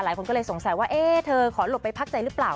หลายคนก็เลยสงสัยว่าเอ๊ะเธอขอหลบไปพักใจหรือเปล่า